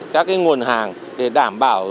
các cái nguồn hàng để đảm bảo